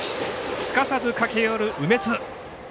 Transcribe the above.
すかさず駆け寄る梅津。